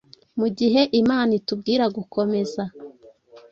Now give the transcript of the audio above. mu gihe Imana itubwira gukomeza.